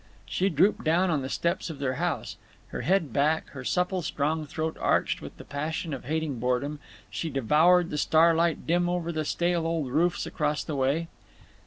She drooped down on the steps of their house. Her head back, her supple strong throat arched with the passion of hating boredom, she devoured the starlight dim over the stale old roofs across the way.